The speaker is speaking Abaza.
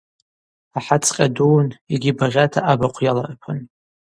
Ахӏацӏкъьа дууын йгьи багъьата абыхъв йаларпан.